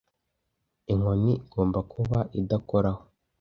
inkoni igomba kuba idakoraho